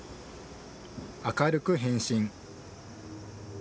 明るく変身。